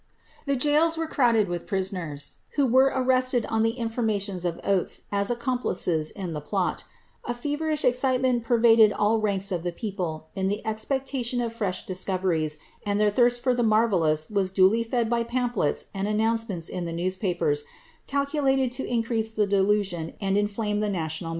The gaols were crowded with prisoners, who were arrested on the in formations of Oates, as accomplices in the plot. A feverish excitement pervaded all ranks of the people, in the expectation of fresh discoveries, «nd their thirst for the marvellous was duly fed by pamphlets and an ' Burnet ; Macpherson ; Lingard ; James IL's Journal.